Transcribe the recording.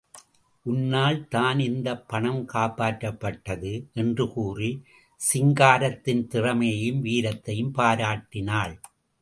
உன்னால் தான் இந்தப் பணம் காப்பாற்றப்பட்டது என்று கூறி, சிங்காரத்தின் திறமையையும், வீரத்தையும் பாராட்டினாள்.